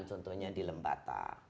contohnya di lembata